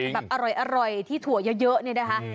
แบบอร่อยที่ถั่วเยอะนี่นะคะ